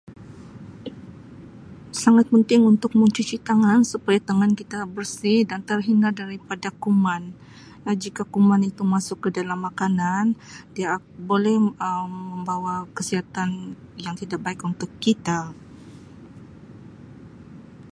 Sangat penting untuk mencuci tangan supaya tangan kita bersih dan terhindar daripada kuman Um jika kuman itu masuk ke dalam makanan dia akan boleh membawa kesihatan yang tidak baik untuk kita.